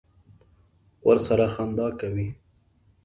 ورور سره خندا کوې.